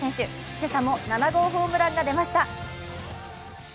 今朝も７号ホームランが出ました。